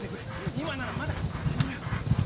今ならまだ間に合う！